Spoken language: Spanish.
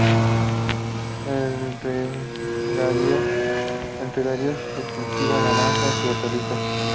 En regadío se cultivan naranjas y hortalizas.